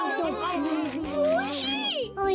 おいしい！